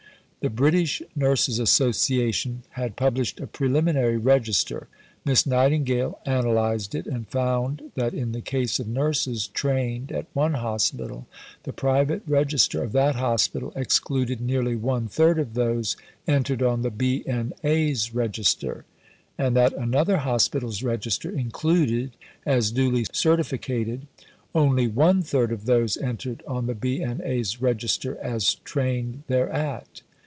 The British Nurses Association had published a preliminary "register." Miss Nightingale analysed it, and found that in the case of nurses "trained" at one hospital, the private Register of that Hospital excluded nearly one third of those entered on the B.N.A.'s register; and that another Hospital's Register included, as "duly certificated," only one third of those entered on the B.N.A.'s register as trained thereat.